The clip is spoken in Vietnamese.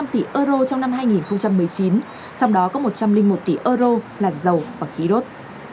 trong đó có một trăm linh một tỷ euro là dầu và khí đốt